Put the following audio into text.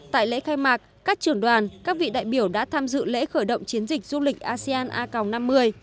tại lễ khai mạc các trưởng đoàn các vị đại biểu đã tham dự lễ khởi động chiến dịch du lịch asean a g năm mươi